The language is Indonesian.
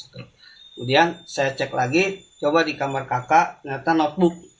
kemudian saya cek lagi coba di kamar kakak ternyata notbook